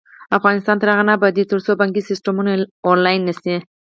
افغانستان تر هغو نه ابادیږي، ترڅو بانکي سیستم آنلاین نشي.